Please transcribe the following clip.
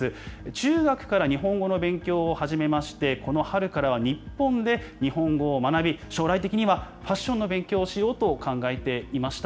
中学から日本語の勉強を始めまして、この春からは日本で日本語を学び、将来的にはファッションの勉強をしようと考えていました。